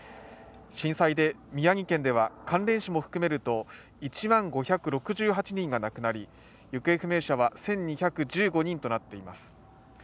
震災で宮城県では関連死も含めると１万５６８人が亡くなり行方不明者は１２１５人となっています